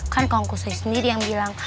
kan kang kusoy sendiri yang bilang